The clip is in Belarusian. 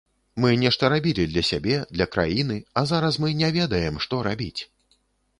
Мы нешта рабілі для сябе, для краіны, а зараз мы не ведаем, што рабіць.